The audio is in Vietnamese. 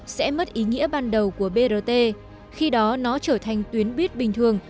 sẽ mất ý nghĩa ban đầu của brt khi đó nó trở thành tuyến buýt bình thường